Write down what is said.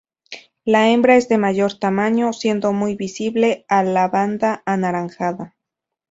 La hembra es de mayor tamaño, siendo muy visible la banda anaranjada.